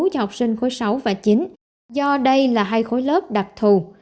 cho học sinh khối sáu và chín do đây là hai khối lớp đặc thù